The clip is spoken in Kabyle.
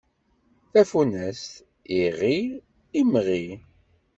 Tafunast: iɣi, imɣi.